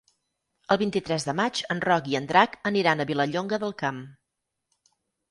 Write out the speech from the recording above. El vint-i-tres de maig en Roc i en Drac aniran a Vilallonga del Camp.